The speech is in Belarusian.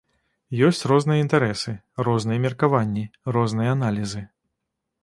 Ёсць розныя інтарэсы, розныя меркаванні, розныя аналізы.